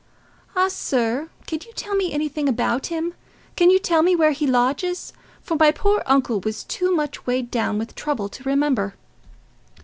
"Ah, sir, can you tell me anything about him? Can you tell me where he lodges? For my poor uncle was too much weighed down with trouble to remember."